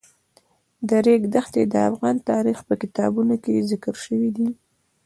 د ریګ دښتې د افغان تاریخ په کتابونو کې ذکر شوی دي.